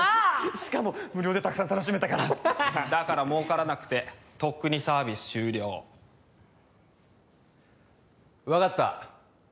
しかも無料でたくさん楽しめたからだから儲からなくてとっくにサービス終了分かった